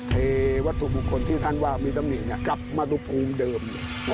เทวะทุกคนที่ท่านว่ามิตามิกลับมาทุกภูมิเดิมเลย